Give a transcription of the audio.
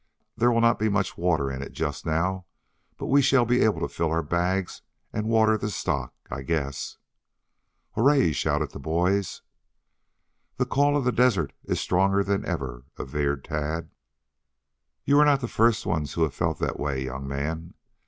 There will not be much water in it just now, but we shall be able to fill our bags and water the stock, I guess." "Hooray!" shouted the boys. "The call of the desert is stronger than ever," averred Tad. "You are not the first ones who have felt that way, young man.